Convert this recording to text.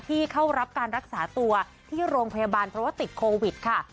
เข้ารับการรักษาตัวที่โรงพยาบาลเพราะว่าติดโควิดค่ะ